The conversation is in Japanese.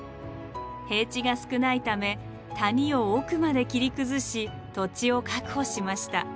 平地が少ないため谷を奥まで切り崩し土地を確保しました。